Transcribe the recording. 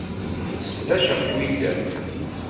Sseqdaceɣ Twitter.